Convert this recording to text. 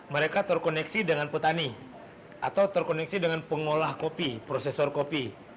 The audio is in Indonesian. mereka terkoneksi dengan petani atau terkoneksi dengan pengolah kopi prosesor kopi